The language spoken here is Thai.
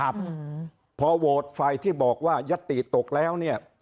พอโหวตไฟที่บอกว่ายัตตีตกแล้ว